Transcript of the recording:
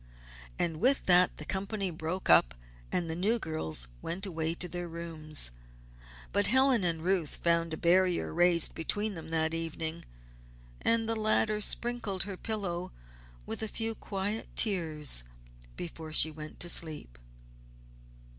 And with that the company broke up and the new girls went away to their rooms. But Helen and Ruth found a barrier raised between them that evening, and the latter sprinkled her pillow with a few quiet tears before she went to sleep.